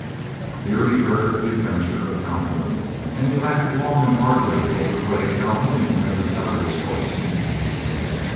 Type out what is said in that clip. Here he heard of the adventure of Calhoun, and he laughed long and heartily over the way Calhoun had recovered his horse.